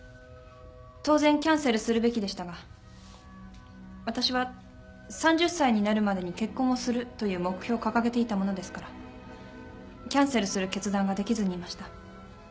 当然キャンセルするべきでしたが私は３０歳になるまでに結婚をするという目標を掲げていたものですからキャンセルする決断ができずにいました。